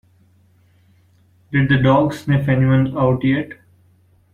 Did the dog sniff anyone out yet?